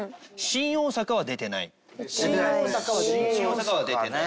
新大阪は出てないですね。